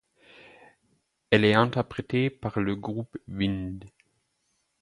Elle est interprétée par le groupe Wind.